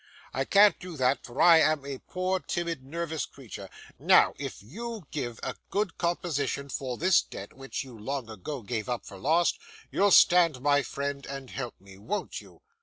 I can't do that, for I am a poor, timid, nervous creature. Now, if you get a good composition for this debt, which you long ago gave up for lost, you'll stand my friend, and help me. Won't you?